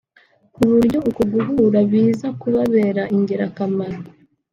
ku buryo uku guhura biza kubabera ingirakamaro